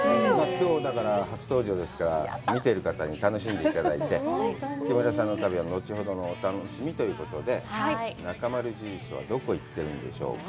きょう初登場ですから、見てる方に楽しんでいただいて、木村さんの旅は後ほどのお楽しみということで、「なかまる印」はどこに行ってるんでしょうか？